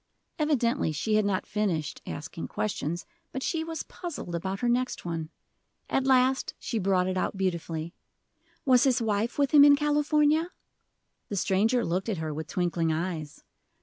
Evidently she had not finished asking questions, but she was puzzled about her next one. At last she brought it out beautifully: "Was his wife with him in California?" The stranger looked at her with twinkling eyes.